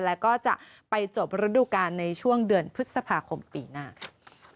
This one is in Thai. แล้วก็จะไปจบฤดูการในช่วงเดือนพฤษภาคมปีหน้าค่ะ